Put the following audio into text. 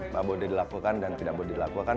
tidak boleh dilakukan dan tidak boleh dilakukan